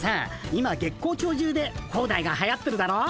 今月光町中でホーダイがはやってるだろ？